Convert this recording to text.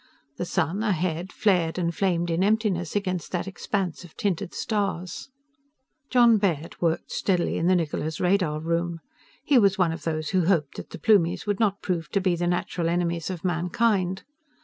The sun, ahead, flared and flamed in emptiness against that expanse of tinted stars. Jon Baird worked steadily in the Niccola's radar room. He was one of those who hoped that the Plumies would not prove to be the natural enemies of mankind.